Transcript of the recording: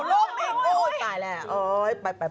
นี่วิ่งตัวเก่าลมอีกโอ้ยไปแล้วโอ๊ยไป